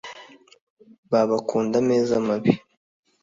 ba bakunda ameza mabi